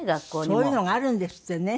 そういうのがあるんですってね。